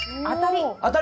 当たり！